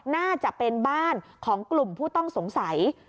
น่าจะเป็นบ้านของกลุ่มผู้ต้องสงสัย